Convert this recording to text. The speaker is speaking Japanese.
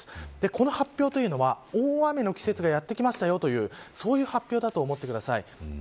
この発表というのは、大雨の季節がやってきましたよというそういう発表だと思ってください。